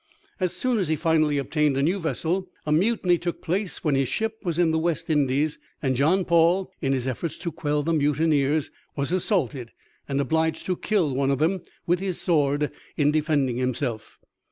As soon as he finally obtained a new vessel, a mutiny took place when his ship was in the West Indies, and John Paul, in his efforts to quell the mutineers, was assaulted and obliged to kill one of them with his sword in defending himself.